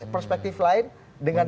perspektif lain dengan